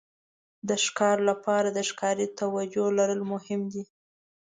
د ښکار لپاره د ښکاري توجو لرل مهم دي.